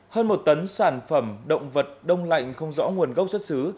hơn một tấn sản phẩm động vật đông lạnh không rõ nguồn gốc xuất xứ